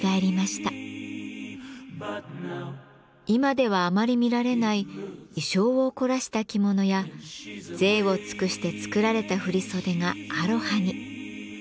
今ではあまり見られない意匠を凝らした着物や贅を尽くして作られた振り袖がアロハに。